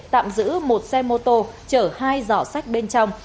tạm giữ một xe mô tô chở hai dỏ sách bên trong